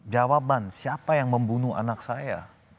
jawaban siapa yang membunuh anak saya